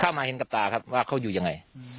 มาเห็นกับตาครับว่าเขาอยู่ยังไง